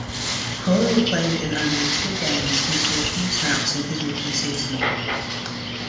Croyle played in only two games and saw few snaps in his rookie season.